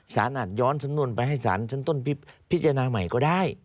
อาจย้อนสำนวนไปให้สารชั้นต้นพิจารณาใหม่ก็ได้